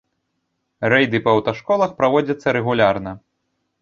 Рэйды па аўташколах праводзяцца рэгулярна.